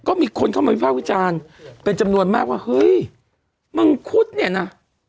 ก็มีคนเข้ามาวิภาควิจารณ์เป็นจำนวนมากว่าเฮ้ยมังคุดเนี่ยนะ